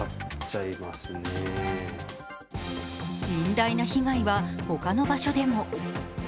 甚大な被害はほかの場所でも。